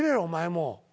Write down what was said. お前も。